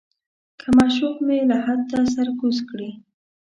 که معشوق مې لحد ته سر کوز کړي.